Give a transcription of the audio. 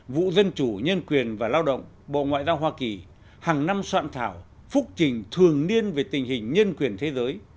vụ dân chủ nhân quyền và lao động bộ ngoại giao hoa kỳ hàng năm soạn thảo phúc trình thường niên về tình hình nhân quyền thế giới